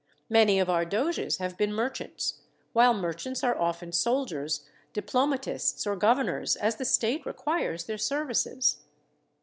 Many of our doges have been merchants; while merchants are often soldiers, diplomatists, or governors, as the state requires their services.